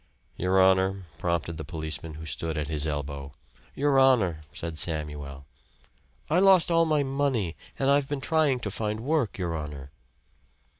"Your honor," prompted the policeman who stood at his elbow. "Your honor," said Samuel, "I lost all my money. And I've been trying to find work, your honor."